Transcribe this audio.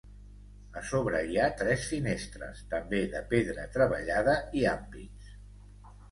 A sobre hi ha tres finestres, també de pedra treballada i ampits.